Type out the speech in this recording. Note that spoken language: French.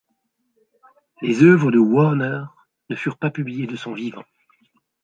Les œuvres de Warner ne furent pas publiées de son vivant.